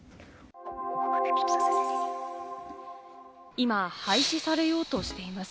今、廃止されようとしています。